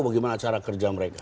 bagaimana cara kerja mereka